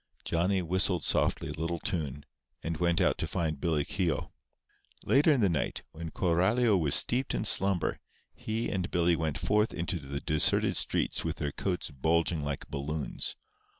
Johnny whistled softly a little tune, and went out to find Billy Keogh. Later in the night, when Coralio was steeped in slumber, he and Billy went forth into the deserted streets with their coats bulging like balloons.